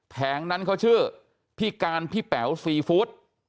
แผงนั้นเขาชื่อพี่การพี่แป๋วซีฟู้ด